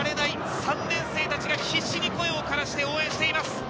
３年生達が必死に声を枯らして応援しています。